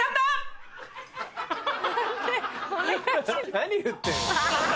何言ってるの？